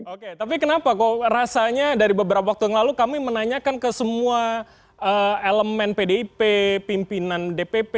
oke tapi kenapa kok rasanya dari beberapa waktu yang lalu kami menanyakan ke semua elemen pdip pimpinan dpp